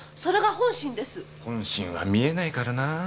本心は見えないからなあ。